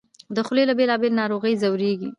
د خولې له بېلابېلو ناروغیو ځورېږي